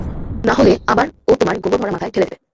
নাহলে আবার ও তোমার গোবর ভরা মাথায় ঢেলে দেবে।